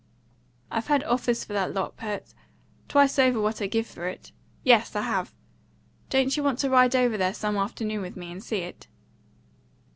I've had offers for that lot, Pert, twice over what I give for it. Yes, I have. Don't you want to ride over there some afternoon with me and see it?"